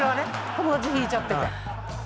友達引いちゃってて。